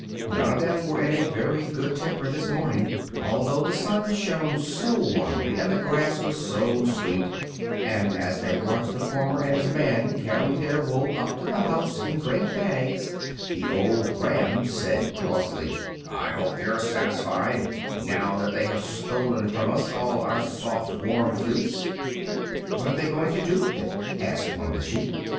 None of them were in a very good temper this morning, although the sun shone so warmly and the grass was so sweet, and as they watched the farmer and his man carry their wool up to the house in great bags, the old ram said, crossly, "I hope they are satisfied, now that they have stolen from us all our soft, warm fleece." "What are they going to do with it?" asked one of the sheep.